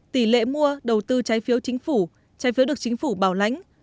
tỷ lệ mua đầu tư trái phiếu chính phủ trái phiếu được chính phủ bảo lãnh